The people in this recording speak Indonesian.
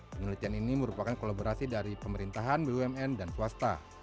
penelitian ini merupakan kolaborasi dari pemerintahan bumn dan swasta